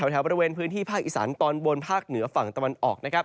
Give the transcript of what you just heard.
แถวบริเวณพื้นที่ภาคอีสานตอนบนภาคเหนือฝั่งตะวันออกนะครับ